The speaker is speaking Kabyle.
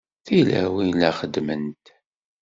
Tilawin la xeddment.